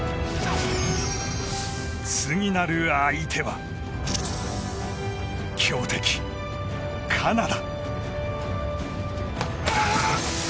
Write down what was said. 次なる相手は、強敵カナダ。